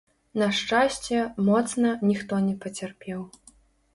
На шчасце, моцна ніхто не пацярпеў.